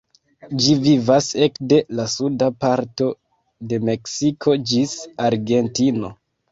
Ĝi vivas ekde la suda parto de Meksiko ĝis Argentino.